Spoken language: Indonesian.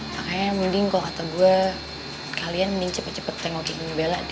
makanya mending kalo kata gue kalian mending cepet cepet tengokin bella deh